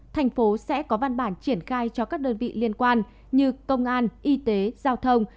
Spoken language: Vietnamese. thành phố sẽ có văn bản triển khai cho các đơn vị liên quan như công an y tế giao thông